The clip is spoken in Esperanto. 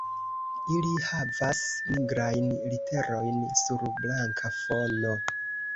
Ili havas nigrajn literojn sur blanka fono.